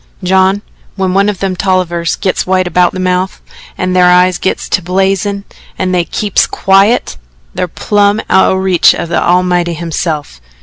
"John, when one o' them Tollivers gits white about the mouth, an' thar eyes gits to blazin' and they KEEPS QUIET they're plumb out o' reach o' the Almighty hisself.